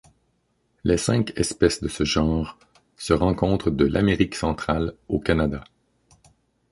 Les cinq espèces de ce genre se rencontrent de l'Amérique centrale au Canada.